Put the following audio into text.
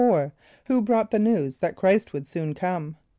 = Who brought the news that Chr[=i]st would soon come?